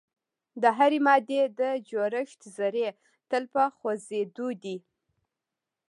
د هرې مادې د جوړښت ذرې تل په خوځیدو دي.